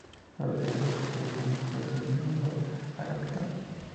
Durante estas expediciones fue ascendido a capitán.